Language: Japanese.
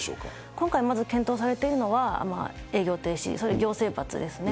今回、まず検討されているのは、営業停止、行政罰ですね。